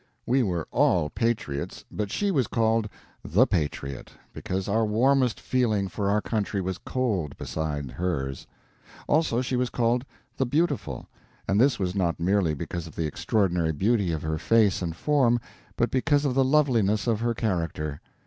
We were all patriots, but she was called the Patriot, because our warmest feeling for our country was cold beside hers. Also she was called the Beautiful; and this was not merely because of the extraordinary beauty of her face and form, but because of the loveliness of her character.